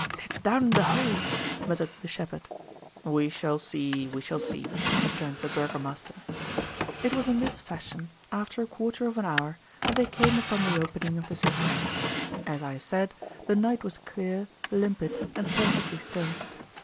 "It's down in the hole," muttered the shepherd. "We shall see, we shall see," returned the burgomaster. It was in this fashion, after a quarter of an hour, that they came upon the opening of the cistern. As I have said, the night was clear, limpid, and perfectly still.